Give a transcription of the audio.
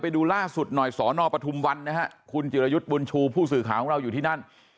ดูสดสอนอปฐุมวันคุณจิรยุชบุญชูพู่ศือขาของเราอยู่ที่นั่น